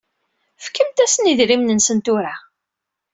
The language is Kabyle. Fkemt-asen idrimen-nsen tura.